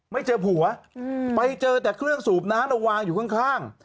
ไม่เจอผัวไปเจอแต่เครื่องสูบน้ำเอาวางอยู่ข้าง